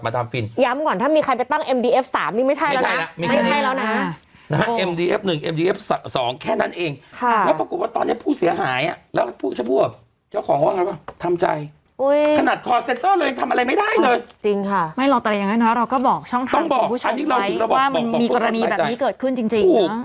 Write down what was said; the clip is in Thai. ไม่เราแต่อะไรอย่างนั้นนะเราก็บอกช่องทางของผู้ชมไว้ว่ามีกรณีแบบนี้เกิดขึ้นจริงเนอะ